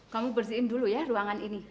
kamu bersihin dulu ya ruangan ini